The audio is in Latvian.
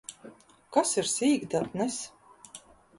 Kas ir sīkdatnes?